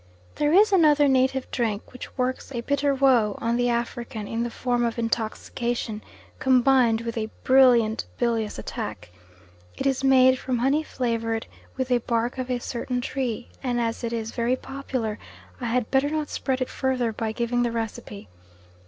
There is another native drink which works a bitter woe on the African in the form of intoxication combined with a brilliant bilious attack. It is made from honey flavoured with the bark of a certain tree, and as it is very popular I had better not spread it further by giving the recipe.